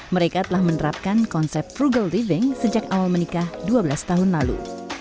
mereka telah menerapkan konsep frugal living sejak awal menikah dua belas tahun lalu